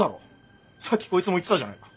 さっきこいつも言ってたじゃないか。